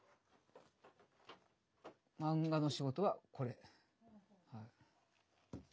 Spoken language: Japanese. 漫画の仕事はこれ。